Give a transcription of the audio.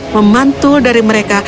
memantul dari mereka